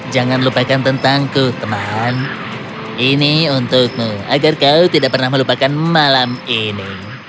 jangan lupakan tentangku teman ini untukmu agar kau tidak pernah melupakan malam ini